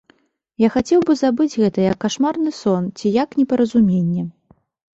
Я хацеў бы забыць гэта як кашмарны сон ці як непаразуменне.